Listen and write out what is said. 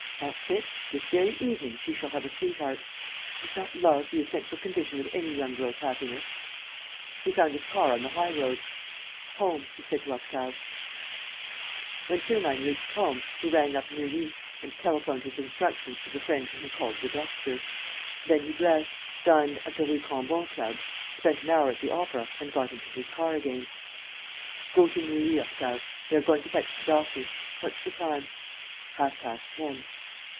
That's it, this very evening she shall have a sweetheart! Is not love the essential condition of any young girl's happiness?" He found his car on the high road: "Home," he said to Octave. When Sernine reached home, he rang up Neuilly and telephoned his instructions to the friend whom he called the doctor. Then he dressed, dined at the Rue Cambon Club, spent an hour at the opera and got into his car again: "Go to Neuilly, Octave. We are going to fetch the doctor. What's the time?" "Half past ten."